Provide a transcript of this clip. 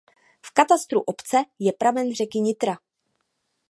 V katastru obce je pramen řeky Nitra.